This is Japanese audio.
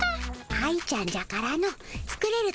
愛ちゃんじゃからの作れると思うがの。